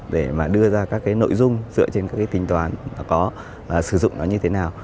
để mà đưa ra các nội dung dựa trên các tính toán có và sử dụng nó như thế nào